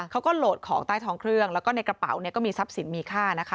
เขาก็โหลดของใต้ท้องเครื่องแล้วก็ในกระเป๋าเนี่ยก็มีทรัพย์สินมีค่านะคะ